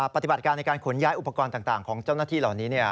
ปฏิบัติการในการขนย้ายอุปกรณ์ต่างของเจ้าหน้าที่เหล่านี้